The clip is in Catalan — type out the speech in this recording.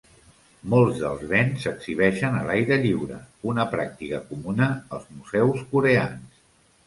Molts dels béns s'exhibeixen a l'aire lliure, una pràctica comuna als museus coreans.